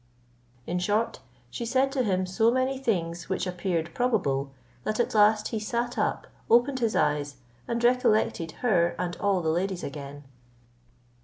In short, she said to him so many things which appeared probable, that at last he sat up, opened his eyes, and recollected her and all the ladies again.